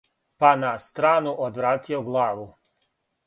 Па на страну одвратио главу,